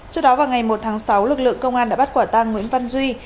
trước đó vào ngày một tháng sáu lực lượng công an đã bắt quả tăng nguyễn văn duy